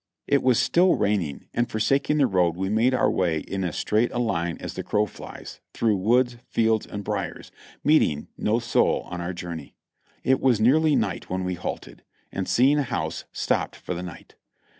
It was still raining, and forsaking the road we made our way in as straight a line as the crow flies, through woods, fields and briers, meeting no soul on our journey. It was nearly night when we halted, and seeing a house, stopped for the night.